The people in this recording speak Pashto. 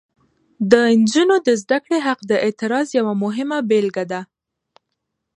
د نجونو د زده کړې حق د اعتراض یوه مهمه بیلګه ده.